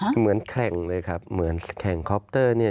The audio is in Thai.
เหมือนแข่งเลยครับเหมือนแข่งคอปเตอร์เนี่ย